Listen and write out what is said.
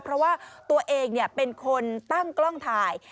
เพราะว่าตัวเองเป็นคนตั้งกล้องถ่าย